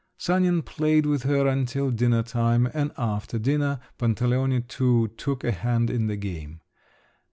Sanin played with her until dinner time and after dinner Pantaleone too took a hand in the game.